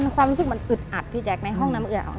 ความรู้สึกมันอึดอัดพี่แจ๊คในห้องน้ำเอือง